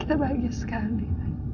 kita bahagia sekali